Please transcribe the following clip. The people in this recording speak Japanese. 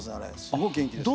すごい元気です。